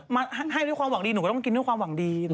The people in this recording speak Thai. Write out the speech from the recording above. มาให้ด้วยความหวังดีหนูก็ต้องกินด้วยความหวังดี